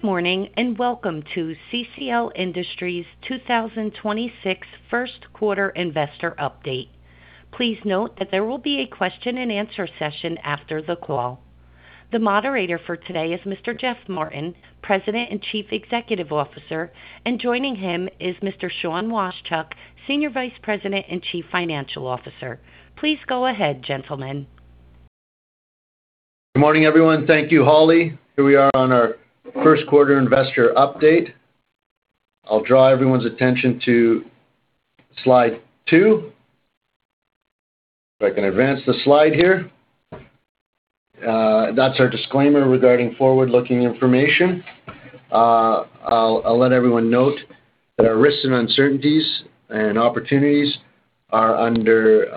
Good morning, and welcome to CCL Industries 2026 first quarter investor update. Please note that there will be a question-and-answer session after the call. The moderator for today is Mr. Geoff Martin, President and Chief Executive Officer, and joining him is Mr. Sean Washchuk, Senior Vice President and Chief Financial Officer. Please go ahead, gentlemen. Good morning, everyone. Thank you, Holly. Here we are on our 1st quarter investor update. I'll draw everyone's attention to slide two. If I can advance the slide here. That's our disclaimer regarding forward-looking information. I'll let everyone note that our risks and uncertainties and opportunities are under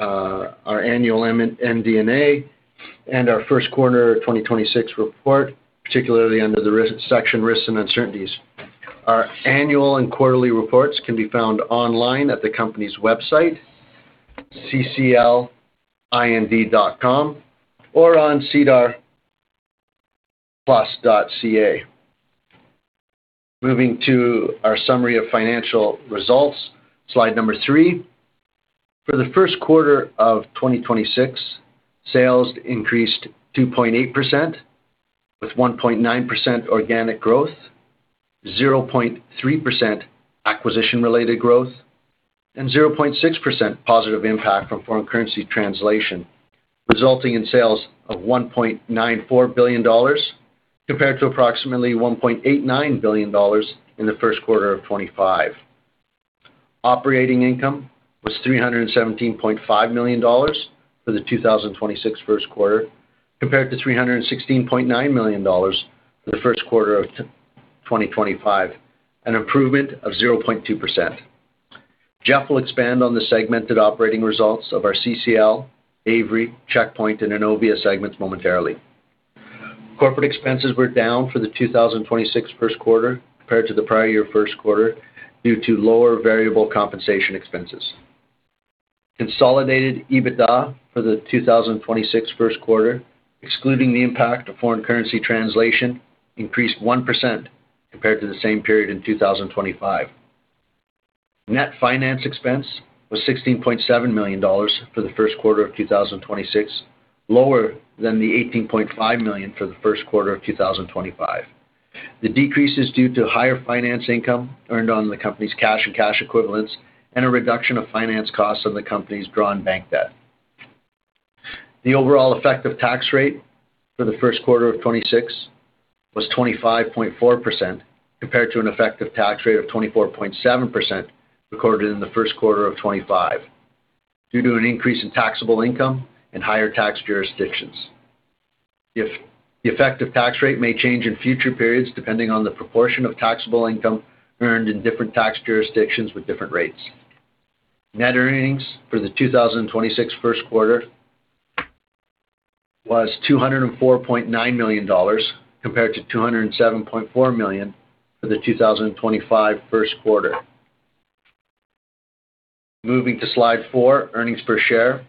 our annual MD&A and our 1st quarter 2026 report, particularly under the section risks and uncertainties. Our annual and quarterly reports can be found online at the company's website, cclind.com, or on sedarplus.ca. Moving to our summary of financial results, slide number three. For the first quarter of 2026, sales increased 2.8% with 1.9% organic growth, 0.3% acquisition-related growth, and 0.6% positive impact from foreign currency translation, resulting in sales of 1.94 billion dollars compared to approximately 1.89 billion dollars in the first quarter of 2025. Operating income was 317.5 million dollars for the 2026 first quarter compared to 316.9 million dollars for the first quarter of 2025, an improvement of 0.2%. Geoff will expand on the segmented operating results of our CCL, Avery, Checkpoint, and Innovia segments momentarily. Corporate expenses were down for the 2026 first quarter compared to the prior year first quarter due to lower variable compensation expenses. Consolidated EBITDA for the 2026 first quarter, excluding the impact of foreign currency translation, increased 1% compared to the same period in 2025. Net finance expense was 16.7 million dollars for the first quarter of 2026, lower than the 18.5 million for the first quarter of 2025. The decrease is due to higher finance income earned on the company's cash and cash equivalents and a reduction of finance costs on the company's drawn bank debt. The overall effective tax rate for the first quarter of 2026 was 25.4% compared to an effective tax rate of 24.7% recorded in the first quarter of 2025 due to an increase in taxable income and higher tax jurisdictions. If the effective tax rate may change in future periods depending on the proportion of taxable income earned in different tax jurisdictions with different rates. Net earnings for the 2026 first quarter was 204.9 million dollars compared to 207.4 million for the 2025 first quarter. Moving to slide four, earnings per share.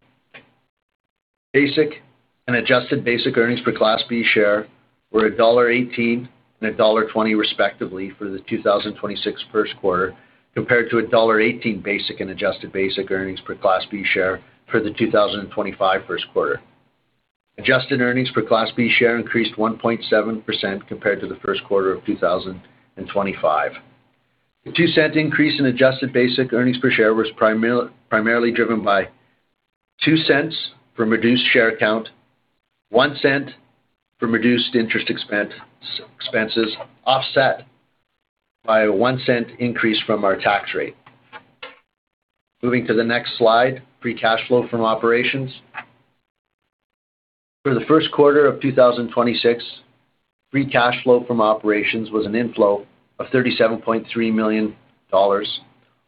Basic and adjusted basic earnings per Class B share were CAD 1.18 and dollar 1.20 respectively for the 2026 first quarter compared to dollar 1.18 basic and adjusted basic earnings per Class B share for the 2025 first quarter. Adjusted earnings per Class B share increased 1.7% compared to the first quarter of 2025. The 0.02 increase in adjusted basic earnings per share was primarily driven by 0.02 from reduced share count, 0.01 from reduced interest expense, offset by a 0.01 increase from our tax rate. Moving to the next slide, free cash flow from operations. For the first quarter of 2026, free cash flow from operations was an inflow of 37.3 million dollars,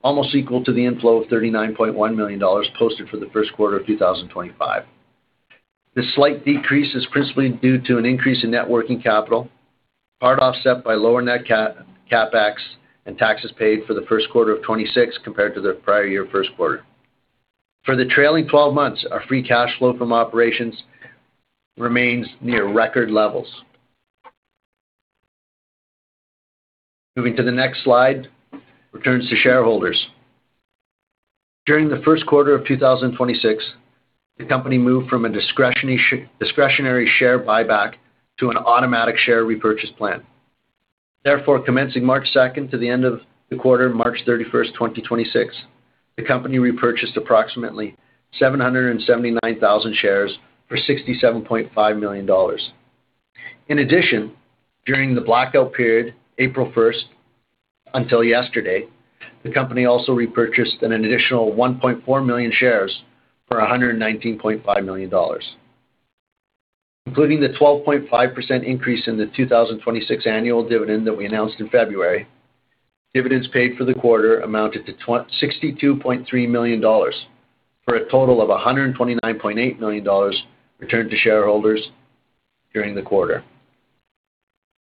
almost equal to the inflow of 39.1 million dollars posted for the first quarter of 2025. This slight decrease is principally due to an increase in net working capital, part offset by lower net CapEx and taxes paid for the first quarter of 2026 compared to the prior year first quarter. For the trailing 12 months, our free cash flow from operations remains near record levels. Moving to the next slide, returns to shareholders. During the first quarter of 2026, the company moved from a discretionary share buyback to an automatic share repurchase plan. Commencing March 2nd to the end of the quarter, March 31st, 2026, the company repurchased approximately 779,000 shares for 67.5 million dollars. In addition, during the blackout period, April 1st until yesterday, the company also repurchased an additional 1.4 million shares for 119.5 million dollars. Including the 12.5% increase in the 2026 annual dividend that we announced in February, dividends paid for the quarter amounted to 62.3 million dollars, for a total of 129.8 million dollars returned to shareholders during the quarter.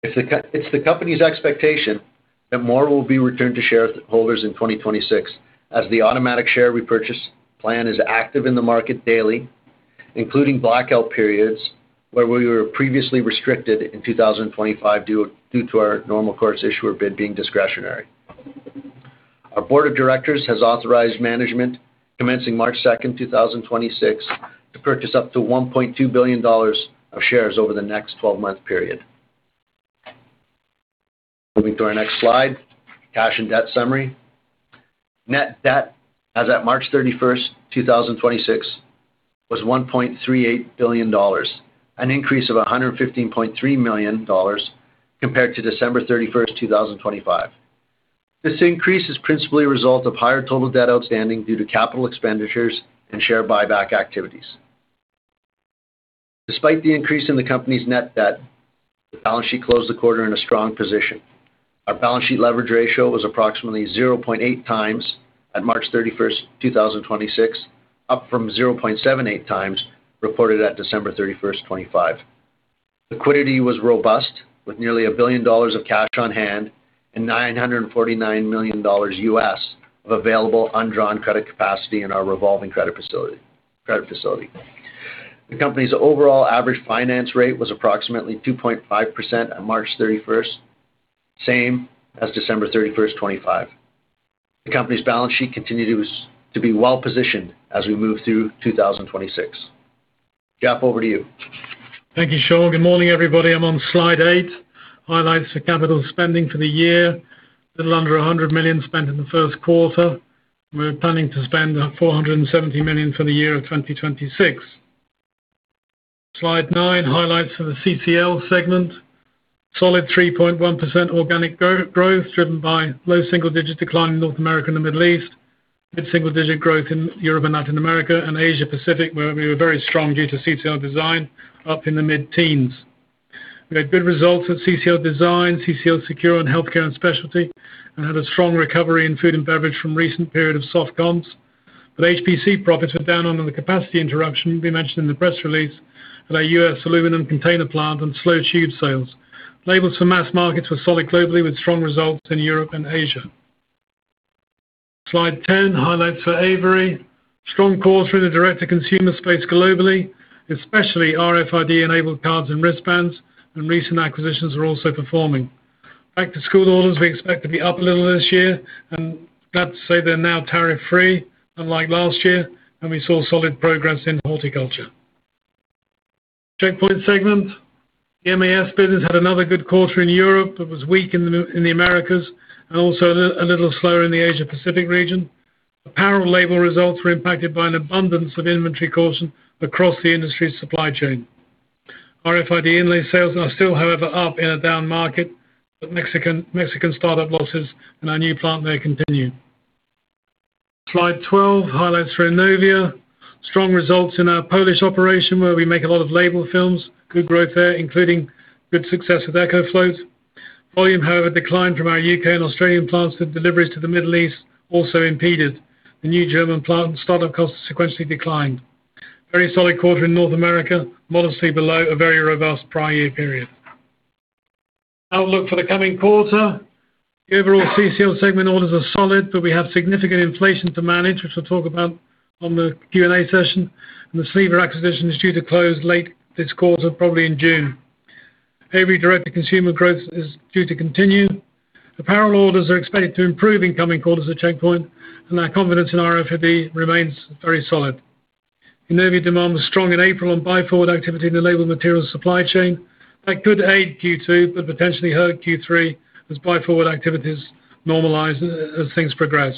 It's the company's expectation that more will be returned to shareholders in 2026 as the automatic share repurchase plan is active in the market daily. Including blackout periods where we were previously restricted in 2025 due to our normal course issuer bid being discretionary. Our board of directors has authorized management commencing March 2nd, 2026 to purchase up to 1.2 billion dollars of shares over the next 12-month period. Moving to our next slide, cash and debt summary. Net debt as at March 31st, 2026 was 1.38 billion dollars, an increase of 115.3 million dollars compared to December 31st, 2025. This increase is principally a result of higher total debt outstanding due to capital expenditures and share buyback activities. Despite the increase in the company's net debt, the balance sheet closed the quarter in a strong position. Our balance sheet leverage ratio was approximately 0.8x at March 31, 2026, up from 0.78x reported at December 31st, 2025. Liquidity was robust with nearly 1 billion dollars of cash on hand and $949 million U.S. of available undrawn credit capacity in our revolving credit facility. The company's overall average finance rate was approximately 2.5% on March 31st, same as December 31st, 2025. The company's balance sheet continued to be well-positioned as we move through 2026. Geoff, over to you. Thank you, Sean. Good morning, everybody. I'm on slide eight, highlights the capital spending for the year. Little under 100 million spent in the first quarter. We're planning to spend 470 million for the year of 2026. Slide nine highlights for the CCL segment. Solid 3.1% organic growth driven by low single-digit decline in North America and the Middle East. Mid-single digit growth in Europe and Latin America and Asia Pacific, where we were very strong due to CCL Design up in the mid-teens. We had good results at CCL Design, CCL Secure, and Healthcare & Specialty, and had a strong recovery in Food & Beverage from recent period of soft comps. HPC profits were down under the capacity interruption we mentioned in the press release at our U.S. aluminum container plant and slow tube sales. Labels for mass markets were solid globally, with strong results in Europe and Asia. Slide 10, highlights for Avery. Strong quarter in the direct-to-consumer space globally, especially RFID-enabled cards and wristbands, and recent acquisitions are also performing. Back to school orders we expect to be up a little this year, glad to say they're now tariff-free, unlike last year, and we saw solid progress in horticulture. Checkpoint segment. The MAS business had another good quarter in Europe. It was weak in the Americas and also a little slower in the Asia Pacific region. Apparel label results were impacted by an abundance of inventory caution across the industry's supply chain. RFID inlay sales are still, however, up in a down market, Mexican startup losses in our new plant there continue. Slide 12, highlights for Innovia. Strong results in our Polish operation, where we make a lot of label films. Good growth there, including good success with EcoFloat. Volume, however, declined from our U.K. and Australian plants, with deliveries to the Middle East also impeded. The new German plant startup costs sequentially declined. Very solid quarter in North America, modestly below a very robust prior year period. Outlook for the coming quarter. The overall CCL segment orders are solid, but we have significant inflation to manage, which we'll talk about on the Q&A session, and the Sleever acquisition is due to close late this quarter, probably in June. Avery direct-to-consumer growth is due to continue. Apparel orders are expected to improve in coming quarters at Checkpoint, and our confidence in RFID remains very solid. Innovia demand was strong in April, and buy forward activity in the label materials supply chain. That could aid Q2, but potentially hurt Q3 as buy forward activities normalize as things progress.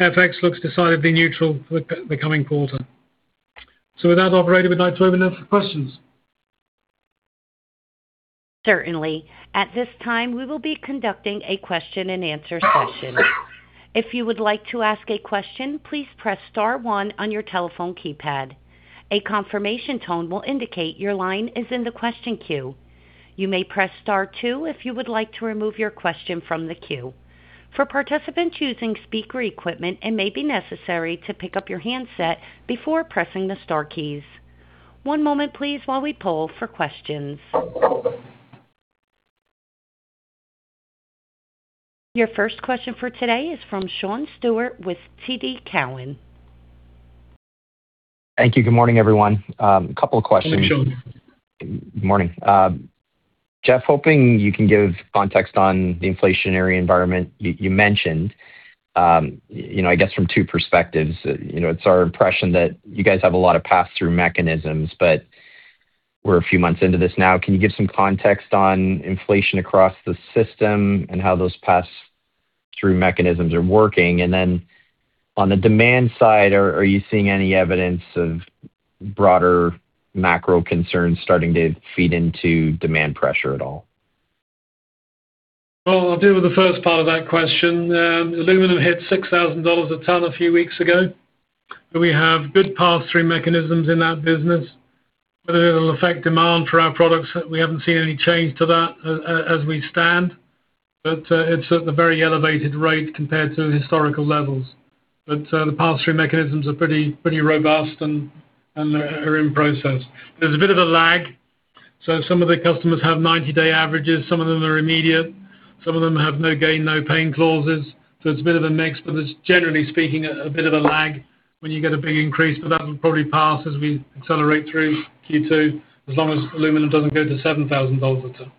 FX looks decidedly neutral for the coming quarter. With that, operator, we'd like to open up for questions. Certainly. At this time, we will be conducting a question-and-answer session. If you would like to ask a question, please press star one on your telephone keypad. A confirmation tone will indicate your line is in the question queue. You may press star two if you would like to remove your question from the queue. For participants using speaker equipment, it may be necessary to pick up your handset before pressing the star keys. one moment please while we poll for questions. Your first question for today is from Sean Steuart with TD Cowen. Thank you. Good morning, everyone. A couple of questions. Good morning, Sean. Morning. Geoff, hoping you can give context on the inflationary environment you mentioned, you know, I guess from two perspectives. You know, it's our impression that you guys have a lot of pass-through mechanisms, but we're a few months into this now. Can you give some context on inflation across the system and how those pass-through mechanisms are working? On the demand side, are you seeing any evidence of broader macro concerns starting to feed into demand pressure at all? I'll deal with the first part of that question. Aluminum hit 6,000 dollars a ton a few weeks ago. We have good pass-through mechanisms in that business, but it'll affect demand for our products. We haven't seen any change to that as we stand, it's at the very elevated rate compared to historical levels. The pass-through mechanisms are pretty robust and are in process. There's a bit of a lag. Some of the customers have 90-day averages, some of them are immediate, some of them have no gain, no pain clauses. It's a bit of a mix, it's generally speaking a bit of a lag when you get a big increase, that will probably pass as we accelerate through Q2, as long as aluminum doesn't go to 7,000 a ton.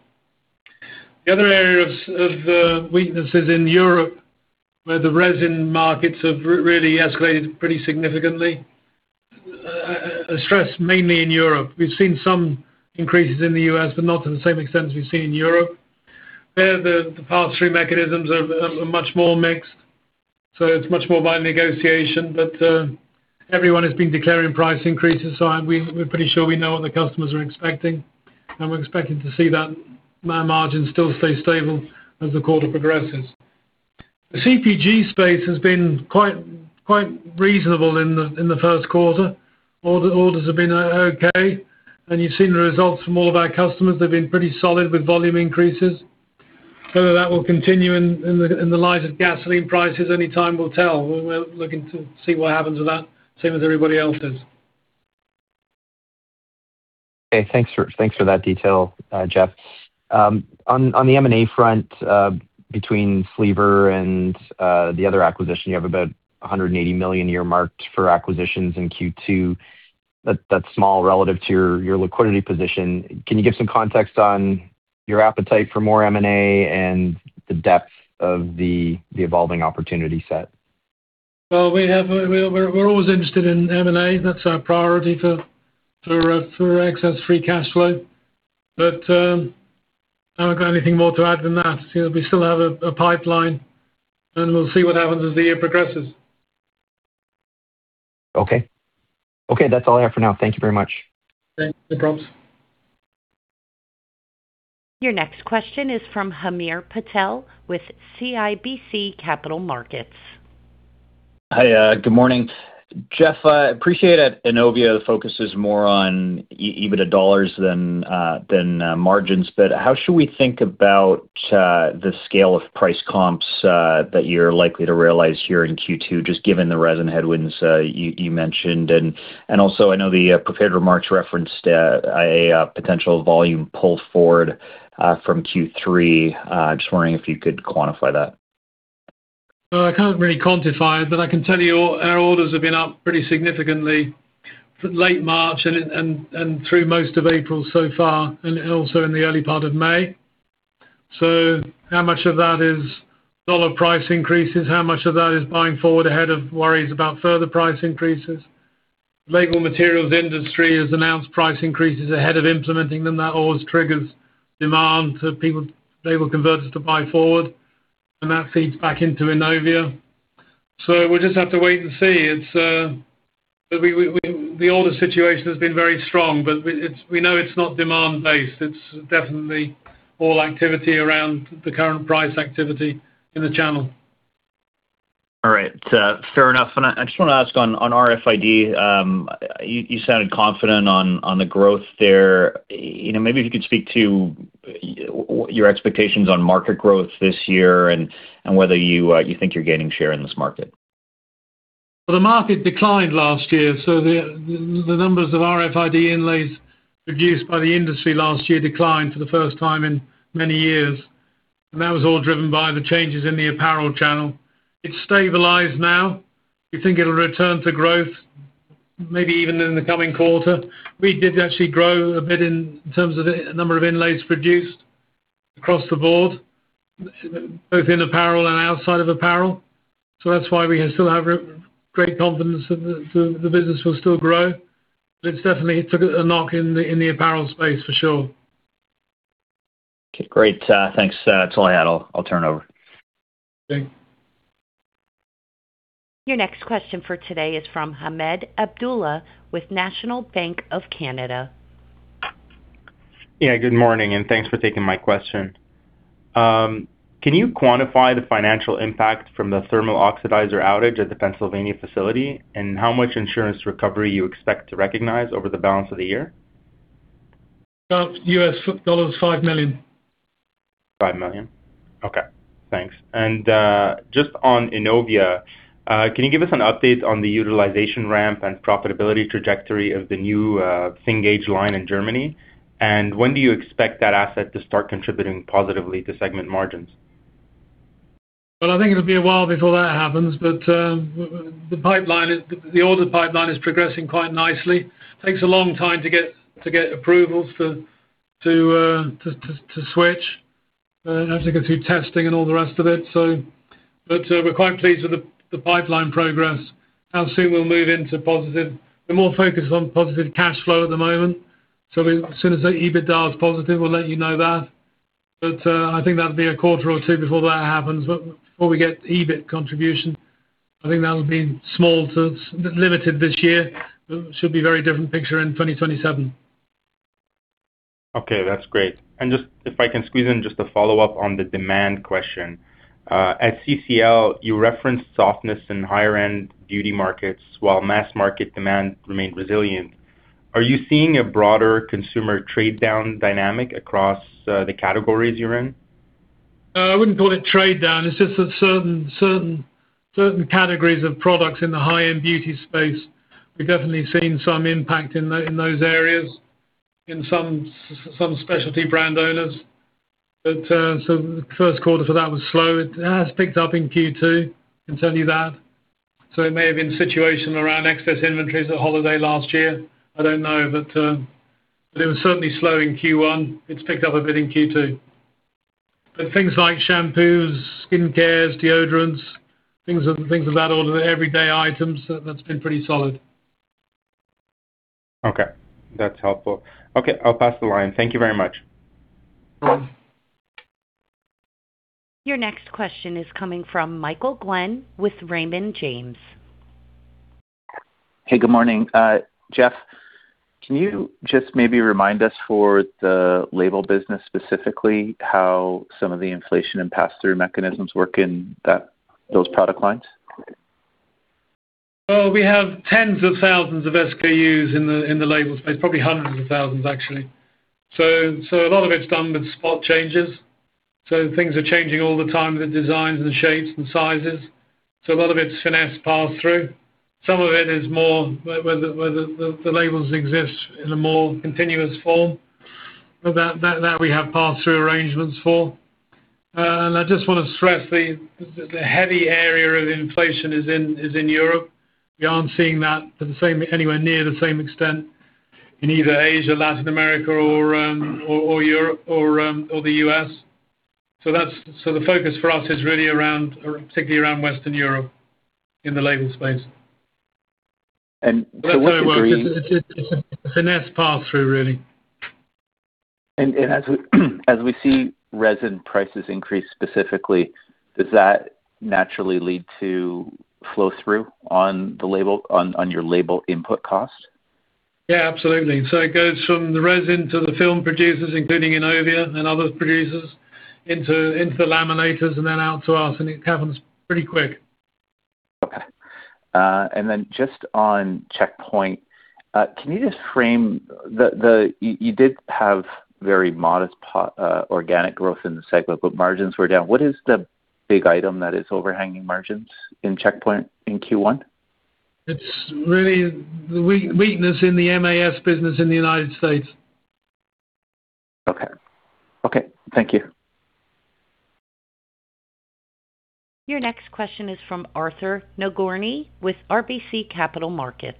The other area of weakness is in Europe, where the resin markets have really escalated pretty significantly. Stress mainly in Europe. We've seen some increases in the U.S., but not to the same extent as we've seen in Europe. There, the pass-through mechanisms are much more mixed, so it's much more by negotiation. Everyone has been declaring price increases, so we're pretty sure we know what the customers are expecting, and we're expecting to see that margin still stay stable as the quarter progresses. The CPG space has been quite reasonable in the first quarter. Orders have been okay. You've seen the results from all of our customers, they've been pretty solid with volume increases. Whether that will continue in the light of gasoline prices, only time will tell. We're looking to see what happens with that same as everybody else is. Okay. Thanks for that detail, Geoff. On the M&A front, between Sleever and the other acquisition, you have about 180 million earmarked for acquisitions in Q2. That's small relative to your liquidity position. Can you give some context on your appetite for more M&A and the depth of the evolving opportunity set? Well, we're always interested in M&A. That's our priority for excess free cash flow. I haven't got anything more to add than that. You know, we still have a pipeline, we'll see what happens as the year progresses. Okay. Okay, that's all I have for now. Thank you very much. Thanks. No probs. Your next question is from Hamir Patel with CIBC Capital Markets. Hi, good morning. Geoff, I appreciate that Innovia focuses more on EBITDA dollars than margins. How should we think about the scale of price comps that you're likely to realize here in Q2, just given the resin headwinds you mentioned? Also, I know the prepared remarks referenced a potential volume pull forward from Q3. Just wondering if you could quantify that. Well, I can't really quantify it, but I can tell you our orders have been up pretty significantly for late March and through most of April so far, and also in the early part of May. How much of that is dollar price increases? How much of that is buying forward ahead of worries about further price increases? Label materials industry has announced price increases ahead of implementing them. That always triggers demand to people, label converters to buy forward, and that feeds back into Innovia. We'll just have to wait and see. The order situation has been very strong, but we know it's not demand based. It's definitely all activity around the current price activity in the channel. All right. Fair enough. I just wanna ask on RFID, you sounded confident on the growth there. You know, maybe if you could speak to your expectations on market growth this year and whether you think you're gaining share in this market. Well, the market declined last year, the numbers of RFID inlays reduced by the industry last year declined for the first time in many years, and that was all driven by the changes in the apparel channel. It's stabilized now. We think it'll return to growth maybe even in the coming quarter. We did actually grow a bit in terms of the number of inlays produced across the board, both in apparel and outside of apparel. That's why we still have great confidence that the business will still grow. It's definitely took a knock in the apparel space for sure. Okay, great. Thanks. That's all I had. I'll turn over. Okay. Your next question for today is from Ahmed Abdullah with National Bank of Canada. Yeah, good morning, and thanks for taking my question. Can you quantify the financial impact from the thermal oxidizer outage at the Pennsylvania facility, and how much insurance recovery you expect to recognize over the balance of the year? About $5 million. $5 million? Okay, thanks. Just on Innovia, can you give us an update on the utilization ramp and profitability trajectory of the new thin-gauge line in Germany? When do you expect that asset to start contributing positively to segment margins? Well, I think it'll be a while before that happens, but the order pipeline is progressing quite nicely. Takes a long time to get approvals to switch as it goes through testing and all the rest of it, so. We're quite pleased with the pipeline progress. How soon we'll move into positive? We're more focused on positive cash flow at the moment, as soon as the EBITDA is positive, we'll let you know that. I think that'll be a quarter or two before that happens. Before we get EBIT contribution, I think that'll be small to limited this year. It should be very different picture in 2027. Okay, that's great. Just if I can squeeze in just a follow-up on the demand question. At CCL, you referenced softness in higher-end beauty markets while mass market demand remained resilient. Are you seeing a broader consumer trade-down dynamic across the categories you're in? No, I wouldn't call it trade down. It's just that certain categories of products in the high-end beauty space, we've definitely seen some impact in those areas in some specialty brand owners. The first quarter for that was slow. It has picked up in Q2, I can tell you that. It may have been situation around excess inventories at holiday last year. I don't know. It was certainly slow in Q1. It's picked up a bit in Q2. Things like shampoos, skin cares, deodorants, things of that order, everyday items, that's been pretty solid. Okay, that's helpful. Okay, I'll pass the line. Thank you very much. No problem. Your next question is coming from Michael Glen with Raymond James. Hey, good morning. Geoff, can you just maybe remind us for the label business specifically, how some of the inflation and pass-through mechanisms work in those product lines? Well, we have tens of thousands of SKUs in the label space, probably hundreds of thousands, actually. A lot of it's done with spot changes, so things are changing all the time, the designs, the shapes and sizes. A lot of it's finesse pass-through. Some of it is more where the labels exist in a more continuous form. That we have pass-through arrangements for. I just wanna stress the heavy area of inflation is in Europe. We aren't seeing that anywhere near the same extent in either Asia, Latin America or Europe or the U.S. The focus for us is really around, particularly around Western Europe in the label space. And so what degree- That's how it works. It's a finesse pass-through, really. As we see resin prices increase specifically, does that naturally lead to flow through on the label input cost? Yeah, absolutely. It goes from the resin to the film producers, including Innovia and other producers, into the laminators and then out to us, and it happens pretty quick. Okay. Then just on Checkpoint, you did have very modest organic growth in the segment, but margins were down. What is the big item that is overhanging margins in Checkpoint in Q1? It's really the weakness in the MAS business in the U.S. Okay. Okay, thank you. Your next question is from Arthur Nagorny with RBC Capital Markets.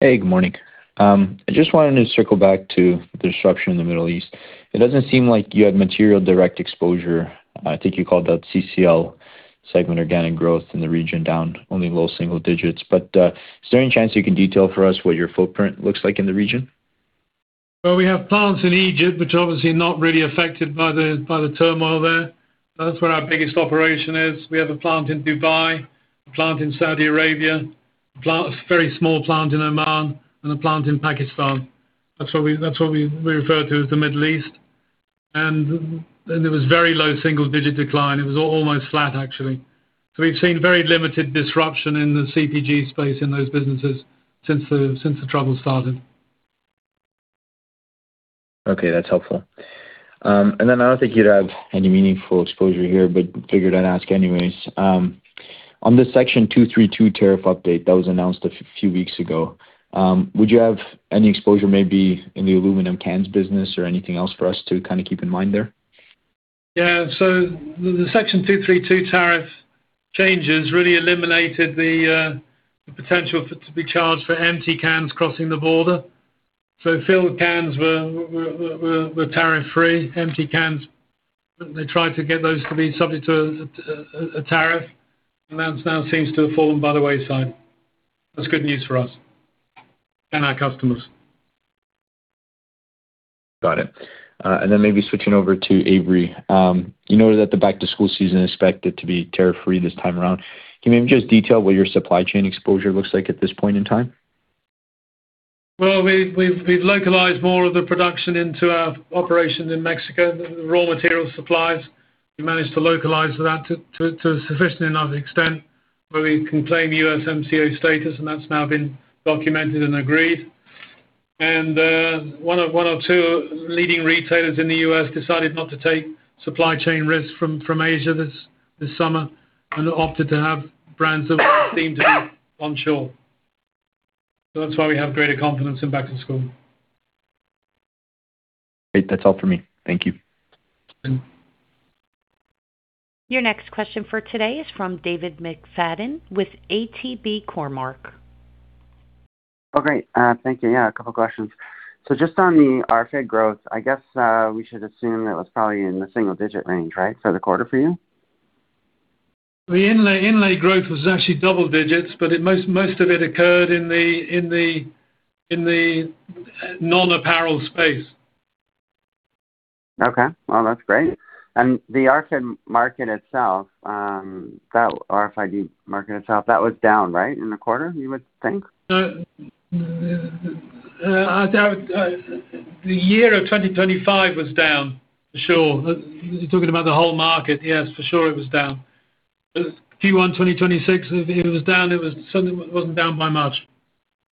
Hey, good morning. I just wanted to circle back to the disruption in the Middle East. It doesn't seem like you have material direct exposure. I think you called out CCL segment organic growth in the region down only low single digits. Is there any chance you can detail for us what your footprint looks like in the region? We have plants in Egypt, which are obviously not really affected by the turmoil there. That's where our biggest operation is. We have a plant in Dubai, a plant in Saudi Arabia, a very small plant in Oman, and a plant in Pakistan. That's what we refer to as the Middle East. There was very low single-digit decline. It was almost flat, actually. We've seen very limited disruption in the CPG space in those businesses since the trouble started. Okay, that's helpful. I don't think you'd have any meaningful exposure here, but figured I'd ask anyways. On the Section 232 tariff update that was announced a few weeks ago, would you have any exposure maybe in the aluminum cans business or anything else for us to kinda keep in mind there? Yeah. The Section 232 tariff changes really eliminated the potential to be charged for empty cans crossing the border. Filled cans were tariff-free. Empty cans, they tried to get those to be subject to a tariff. That now seems to have fallen by the wayside. That's good news for us and our customers. Got it. Maybe switching over to Avery, you know that the back-to-school season is expected to be tariff-free this time around. Can you maybe just detail what your supply chain exposure looks like at this point in time? Well, we've localized more of the production into our operations in Mexico, the raw material supplies. We managed to localize that to a sufficient enough extent where we can claim USMCA status, and that's now been documented and agreed. One of two leading retailers in the U.S. decided not to take supply chain risks from Asia this summer and opted to have brands that seem to be onshore. That's why we have greater confidence in back to school. Great. That's all for me. Thank you. Thank you. Your next question for today is from David McFadgen with ATB Cormark. Oh, great. Thank you. Yeah, a couple questions. Just on the RFID growth, I guess, we should assume that was probably in the single-digit range, right, for the quarter for you? The inlay growth was actually double digits, most of it occurred in the non-apparel space. Okay. Well, that's great. The RFID market itself, that was down, right, in the quarter, you would think? No. The year 2025 was down for sure. You're talking about the whole market. Yes, for sure it was down. Q1 2026, it was down. It was something. It wasn't down by much.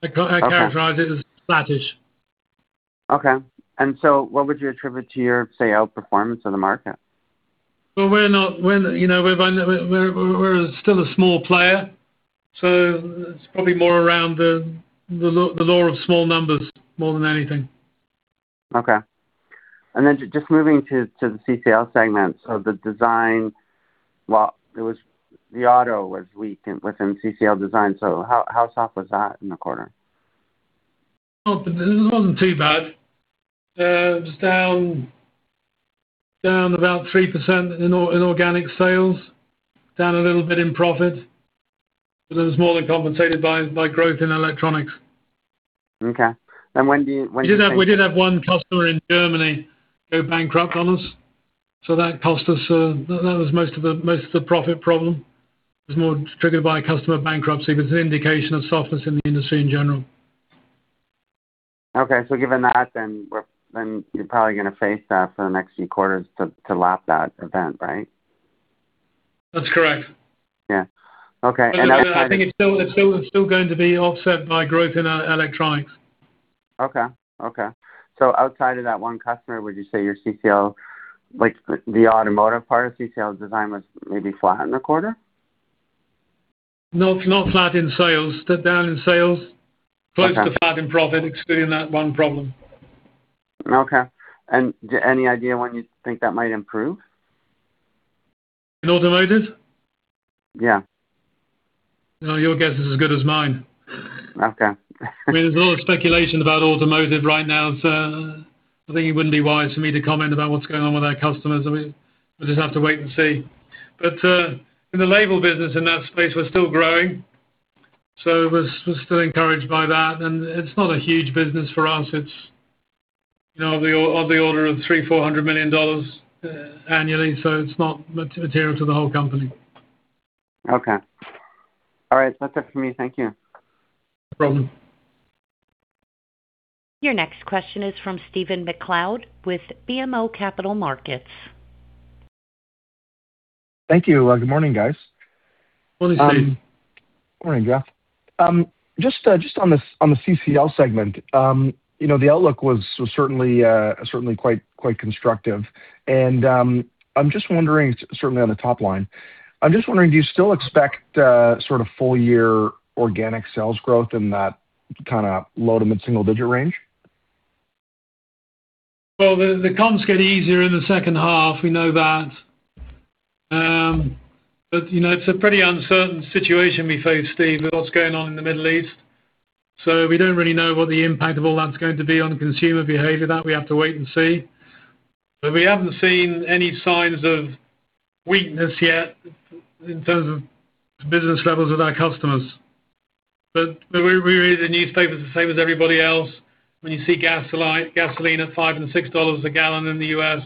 Okay. I characterize it as flattish. Okay. What would you attribute to your, say, outperformance of the market? Well, we're not, we're, you know, we're still a small player, so it's probably more around the law of small numbers more than anything. Okay. Just moving to the CCL segment. The auto was weak within CCL Design. How soft was that in the quarter? Oh, it wasn't too bad. It was down about 3% in organic sales. Down a little bit in profit, but it was more than compensated by growth in electronics. Okay. When do you think? We did have one customer in Germany go bankrupt on us, that cost us. That was most of the profit problem. It was more triggered by customer bankruptcy, but it's an indication of softness in the industry in general. Okay. Given that then you're probably gonna face that for the next few quarters to lap that event, right? That's correct. Yeah. Okay. You know, I think it's still going to be offset by growth in electronics. Okay, okay. Outside of that one customer, would you say your CCL, like, the automotive part of CCL Design was maybe flat in the quarter? No, not flat in sales. They're down in sales. Okay. Close to flat in profit, excluding that one problem. Okay. Any idea when you think that might improve? In automotive? Yeah. No, your guess is as good as mine. Okay. I mean, there's a lot of speculation about automotive right now, so I think it wouldn't be wise for me to comment about what's going on with our customers. I mean, we'll just have to wait and see. In the label business in that space, we're still growing, so we're still encouraged by that. It's not a huge business for us. It's, you know, of the order of 300 million, 400 million dollars annually, so it's not material to the whole company. Okay. All right, that's it for me. Thank you. No problem. Your next question is from Stephen MacLeod with BMO Capital Markets. Thank you. Good morning, guys. Morning, Steve. Morning, Geoff. Just, you know, the outlook was certainly quite constructive. I'm just wondering, certainly on the top line, I'm just wondering, do you still expect kind of full-year organic sales growth in that low to mid-single digit range? Well, the comps get easier in the second half. We know that. You know, it's a pretty uncertain situation we face, Steve, with what's going on in the Middle East, we don't really know what the impact of all that's going to be on consumer behavior. That we have to wait and see. We haven't seen any signs of weakness yet in terms of business levels with our customers. We read the newspapers the same as everybody else. When you see gasoline at $5 and $6 a gallon in the U.S.,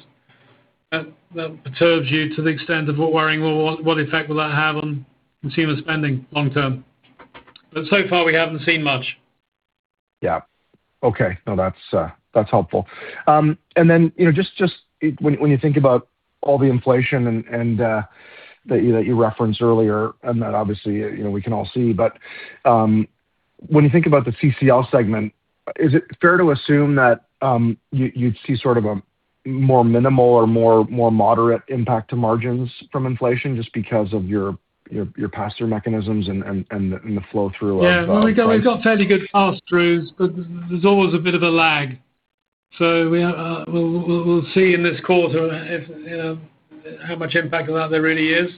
that perturbs you to the extent of worrying, well, what effect will that have on consumer spending long term? So far we haven't seen much. Yeah. Okay. No, that's helpful. Then, you know, just when you think about all the inflation and that you referenced earlier, and that obviously, you know, we can all see. When you think about the CCL segment, is it fair to assume that you'd see sort of a more minimal or more moderate impact to margins from inflation just because of your pass-through mechanisms and the flow through of price? We've got fairly good pass-throughs, there's always a bit of a lag. We'll see in this quarter if how much impact of that there really is.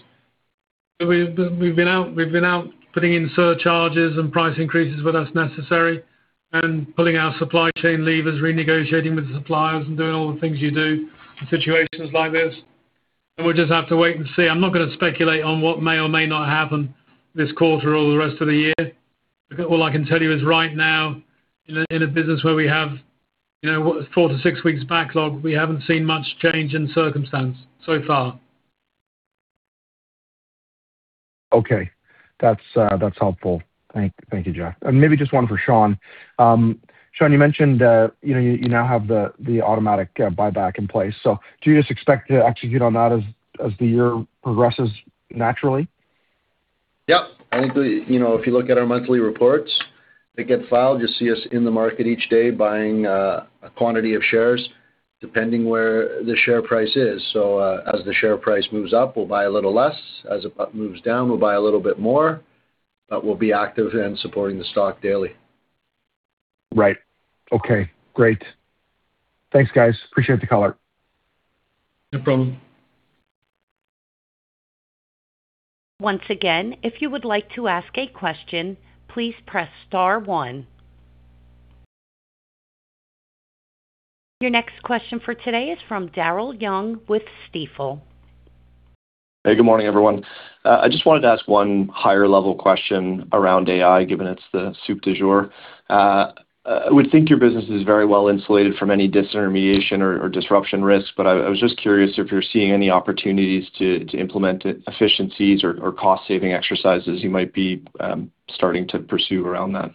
We've been out putting in surcharges and price increases where that's necessary and pulling our supply chain levers, renegotiating with suppliers, and doing all the things you do in situations like this. We'll just have to wait and see. I'm not gonna speculate on what may or may not happen this quarter or the rest of the year. All I can tell you is right now, in a business where we have, you know, four to six weeks backlog, we haven't seen much change in circumstance so far. Okay. That's helpful. Thank you, Geoff. Maybe just one for Sean. Sean, you mentioned, you know, you now have the automatic buyback in place. Do you just expect to execute on that as the year progresses naturally? Yep. You know, if you look at our monthly reports that get filed, you'll see us in the market each day buying a quantity of shares depending where the share price is. As the share price moves up, we'll buy a little less. As it moves down, we'll buy a little bit more. We'll be active in supporting the stock daily. Right. Okay, great. Thanks, guys. Appreciate the color. No problem. Once again, if you would like to ask a question, please press star one. Your next question for today is from Daryl Young with Stifel. Hey, good morning, everyone. I just wanted to ask one higher level question around AI, given it's the soup du jour. I would think your business is very well insulated from any disintermediation or disruption risk, but I was just curious if you're seeing any opportunities to implement efficiencies or cost saving exercises you might be starting to pursue around that.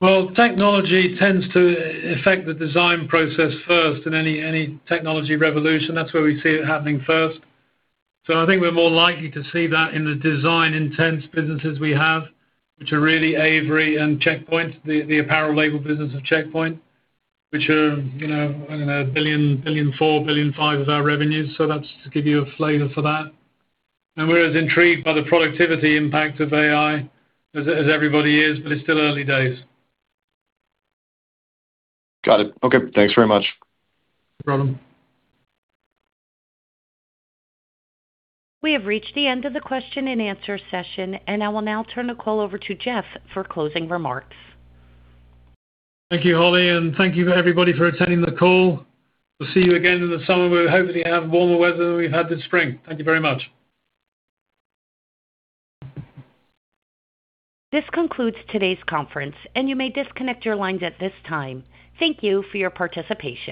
Well, technology tends to affect the design process first in any technology revolution. That's where we see it happening first. I think we're more likely to see that in the design intense businesses we have, which are really Avery and Checkpoint, the apparel label business of Checkpoint, which are, you know, I don't know, 1 billion, 1.4 billion, 1.5 billion of our revenues. That's to give you a flavor for that. We're as intrigued by the productivity impact of AI as everybody is, but it's still early days. Got it. Okay. Thanks very much. No problem. We have reached the end of the question and answer session, and I will now turn the call over to Geoff for closing remarks. Thank you, Holly, and thank you everybody for attending the call. We'll see you again in the summer. We'll hopefully have warmer weather than we've had this spring. Thank you very much. This concludes today's conference, and you may disconnect your lines at this time. Thank you for your participation.